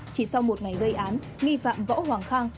chỉ sau một ngày gây án nghi phạm võ hoàng khang